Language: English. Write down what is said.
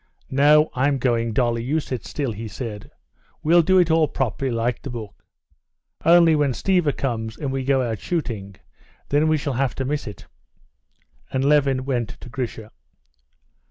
"No, I'm going, Dolly, you sit still," he said. "We'll do it all properly, like the book. Only when Stiva comes, and we go out shooting, then we shall have to miss it." And Levin went to Grisha.